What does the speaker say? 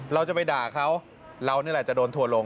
เราจะไปด่าเขาเรานี่แหละจะโดนทัวร์ลง